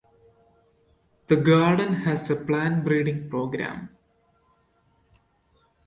The Garden has a plant breeding program.